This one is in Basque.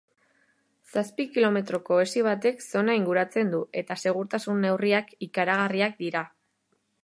Zazpi kilometroko hesi batek zona inguratzen du eta segurtasun neurriak ikaragarriak dira.